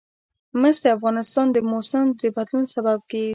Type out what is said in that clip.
مس د افغانستان د موسم د بدلون سبب کېږي.